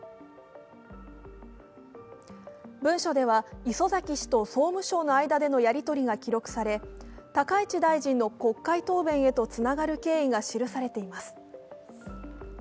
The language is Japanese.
文書では礒崎氏と総務省との間でのやり取りが記されていて、高市大臣の国会答弁とつながる経緯が記されています。